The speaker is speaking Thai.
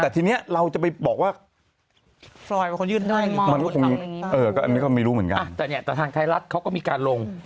แต่ทางไทยรัฐเขาก็มีการลง